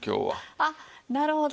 あっなるほど！